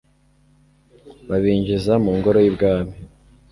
Babinjiza mu ngoro y’ibwami